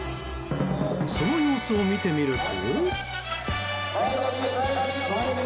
その様子を見てみると。